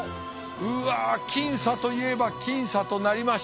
うわ僅差といえば僅差となりました。